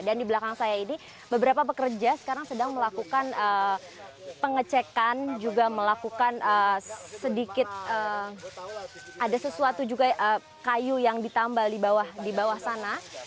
dan di belakang saya ini beberapa pekerja sekarang sedang melakukan pengecekan juga melakukan sedikit ada sesuatu juga kayu yang ditambal di bawah sana